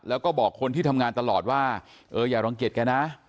แล้วก็บอกคนที่ทำงานตลอดว่าเอออย่ารังเกียจแกนะ